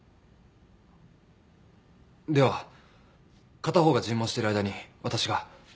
では片方が尋問してる間に私が。